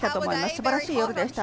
すばらしい夜でした。